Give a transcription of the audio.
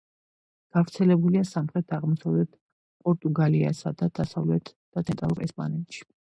გავრცელებულია სამხრეთ-აღმოსავლეთ პორტუგალიასა და დასავლეთ და ცენტრალურ ესპანეთში.